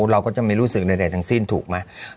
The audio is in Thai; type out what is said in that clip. เราก็จะไม่รู้สึกใดทั้งสิ้นถูกไหม